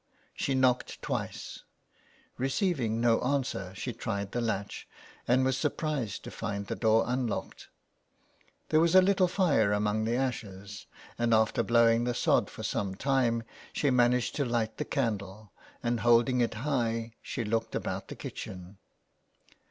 She knocked twice; receiving no answer she tried the latch, and was surprised to find the door unlocked. There was a little fire among the ashes, and after blowing the sod for some time she managed to light the candle and holding it high she looked about the kitchen.